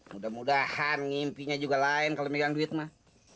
mudah mudahan ngimpinya juga lain kalau megang duit mah